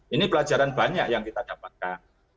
ini pelajaran banyak yang kita dapatkan